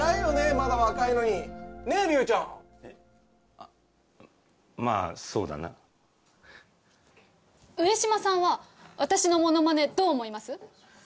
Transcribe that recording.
まだ若いのにねえ竜ちゃんえっあっまあそうだな上島さんは私のものまねどう思います？